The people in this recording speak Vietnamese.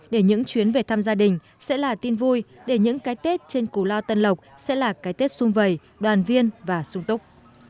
để những chuyến về thăm gia đình sẽ là tin vui để những cái tết trên cú lao tân lộc sẽ là cái tết xung vầy đoàn viên và sung túc